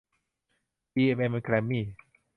จีเอ็มเอ็ม แกรมมี่